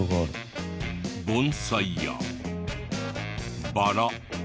盆栽やバラ。